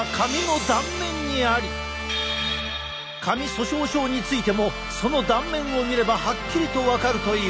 髪粗しょう症についてもその断面を見ればはっきりと分かるという。